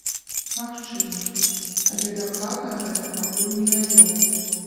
Магчыма, але дакладна гэта пакуль не вядома.